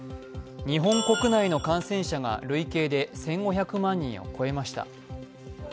日本国内の感染者が累計で１５００万人を超えました。